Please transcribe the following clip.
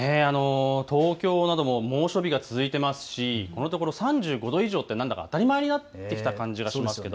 東京なども猛暑日が続いていいますし、このところ３５度以上というのがなんだか当たり前になってきたような感じです。